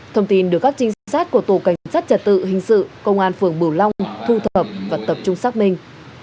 thông tin được các trinh sát của tổ cảnh sát trật tự hình sự công an phường bửu long thu thập và tập trung xác minh